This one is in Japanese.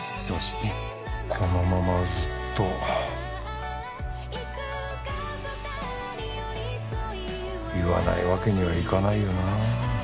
このままずっと言わないわけにはいかないよな